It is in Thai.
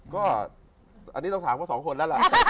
ก็อันนี้ต้องถามเขาสองคนแล้วล่ะ